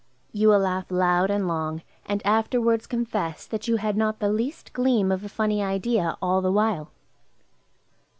You will laugh loud and long, and afterwards confess that you had not the least gleam of a funny idea, all the while.